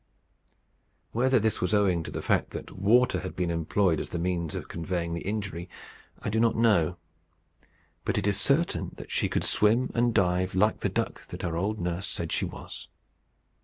Whether this was owing to the fact that water had been employed as the means of conveying the injury, I do not know. But it is certain that she could swim and dive like the duck that her old nurse said she was.